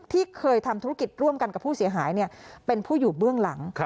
ที่เคยทำธุรกิจร่วมกันกับผู้เสียหายเป็นผู้อยู่เบื้องหลัง